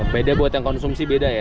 beda buat yang konsumsi beda ya